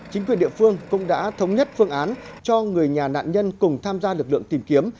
chính quyền địa phương cũng đã thống nhất phương án cho người nhà nạn nhân cùng tham gia lực lượng tìm kiếm